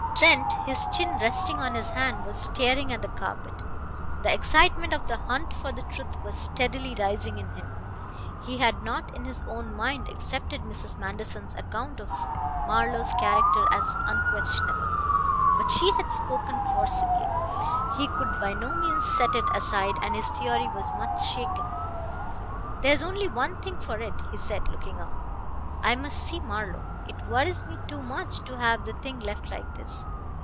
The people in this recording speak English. Trent, his chin resting on his hand, was staring at the carpet. The excitement of the hunt for the truth was steadily rising in him. He had not in his own mind accepted Mrs. Manderson's account of Marlowe's character as unquestionable. But she had spoken forcibly; he could by no means set it aside, and his theory was much shaken. "There is only one thing for it," he said, looking up. "I must see Marlowe. It worries me too much to have the thing left like this.